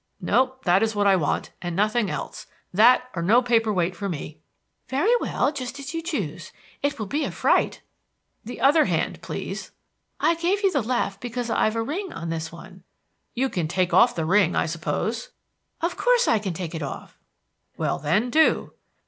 "No; that is what I want, and nothing else. That, or no paper weight for me." "Very well, just as you choose. It will be a fright." "The other hand, please." "I gave you the left because I've a ring on this one." "You can take off the ring, I suppose." "Of course I can take it off." "Well, then, do."